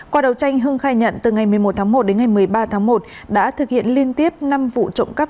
qua đầu tranh hưng khai nhận từ ngày một mươi một tháng một đến ngày một mươi ba tháng một đã thực hiện liên tiếp năm vụ trộm cắp